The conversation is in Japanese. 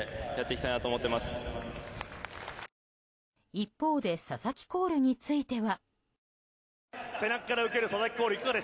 一方で佐々木コールについては。